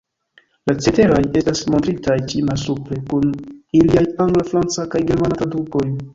La ceteraj estas montritaj ĉi malsupre, kun iliaj Angla, Franca kaj Germana tradukoj.